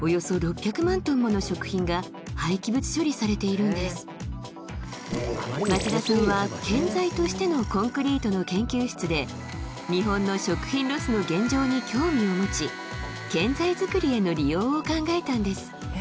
日本では町田さんは建材としてのコンクリートの研究室で日本の食品ロスの現状に興味を持ち建材作りへの利用を考えたんです